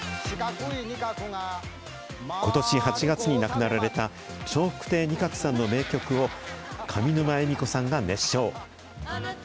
ことし８月に亡くなられた笑福亭仁鶴さんの名曲を、上沼恵美子さんが熱唱。